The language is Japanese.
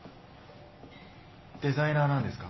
デザイナーなんですか？